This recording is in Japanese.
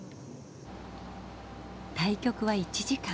対局は１時間。